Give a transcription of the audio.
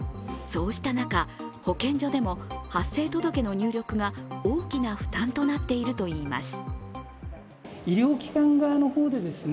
そうした中、保健所でも発生届の入力が大きな負担となっているといいます。